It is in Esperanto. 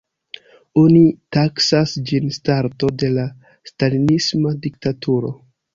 Oni taksas ĝin starto de la stalinisma diktaturo.